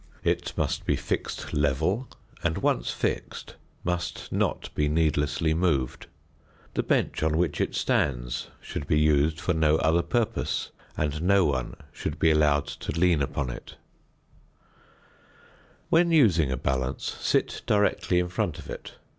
It must be fixed level, and, once fixed, must not be needlessly moved. The bench on which it stands should be used for no other purpose, and no one should be allowed to lean upon it. [Illustration: FIG. 25.] When using a balance sit directly in front of it.